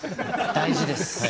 大事です。